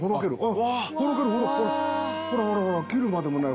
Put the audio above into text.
ほどけるほらほらほら切るまでもない。